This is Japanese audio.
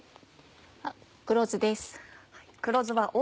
黒酢です。